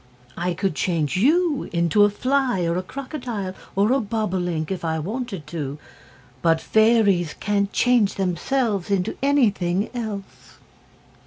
"I could change YOU into a fly, or a crocodile, or a bobolink, if I wanted to; but fairies can't change themselves into anything else."